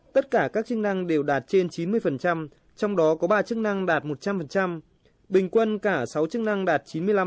tất cả các chức năng đều đạt trên chín mươi trong đó có ba chức năng đạt một trăm linh bình quân cả sáu chức năng đạt chín mươi năm